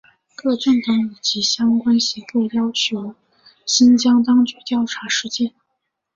各政党以及相关协会要求新疆当局调查事件。